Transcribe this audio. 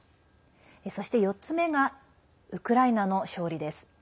そして、４つ目がウクライナの勝利です。